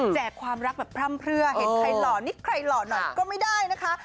ความรักแบบพร่ำเพื่อเห็นใครหล่อนิดใครหล่อหน่อยก็ไม่ได้นะคะ